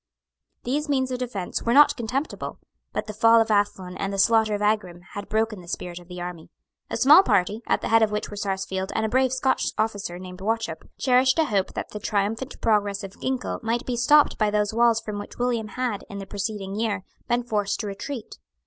These means of defence were not contemptible. But the fall of Athlone and the slaughter of Aghrim had broken the spirit of the army. A small party, at the head of which were Sarsfield and a brave Scotch officer named Wauchop, cherished a hope that the triumphant progress of Ginkell might be stopped by those walls from which William had, in the preceding year, been forced to retreat.